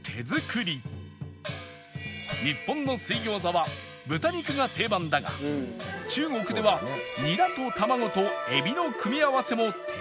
日本の水餃子は豚肉が定番だが中国ではニラと卵と海老の組み合わせも定番の味